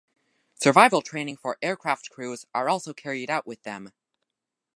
Survival training for aircraft crews are also carried out with them.